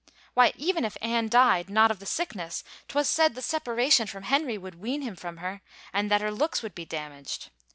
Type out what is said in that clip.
Why, even if Anne died not of the sickness, 'twas said the separation from Henry would wean him from her, and that her looks would be damaged.